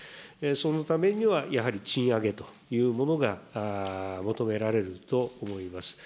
そのためには、やはり賃上げというものが求められると思います。